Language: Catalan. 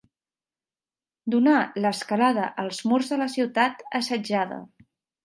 Donar l'escalada als murs de la ciutat assetjada.